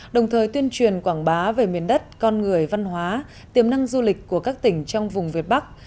đồng thời tuyên truyền quảng bá về miền đất con người văn hóa tiềm năng du lịch của các tỉnh trong vùng việt bắc